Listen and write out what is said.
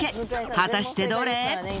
果たしてどれ？